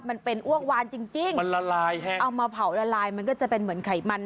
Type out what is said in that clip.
มันเป็นอ้วกวานจริงจริงมันละลายฮะเอามาเผาละลายมันก็จะเป็นเหมือนไขมัน